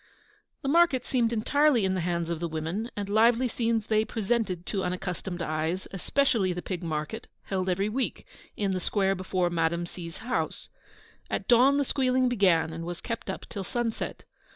The markets seemed entirely in the hands of the women, and lively scenes they presented to unaccustomed eyes, especially the pig market, held every week, in the square before Madame C.'s house. At dawn the squealing began, and was kept up till sunset.